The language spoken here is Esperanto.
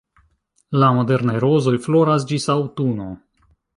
La modernaj rozoj floras ĝis aŭtuno.